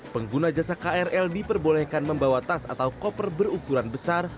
pengguna jasa krl diperbolehkan membawa tas atau koper berukuran besar